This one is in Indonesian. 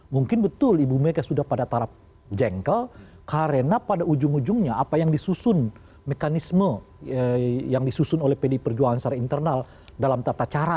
mungkin betul ibu mega sudah pada tarap jengkel karena pada ujung ujungnya apa yang disusun mekanisme yang disusun oleh pdi perjuangan secara internal dalam tata cara